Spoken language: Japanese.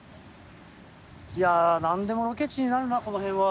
いやあなんでもロケ地になるなこの辺は。